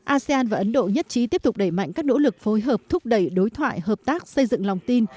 asean và ấn độ nhất trí tiếp tục đẩy mạnh các nỗ lực phối hợp thúc đẩy đối thoại hợp tác xây dựng lòng tin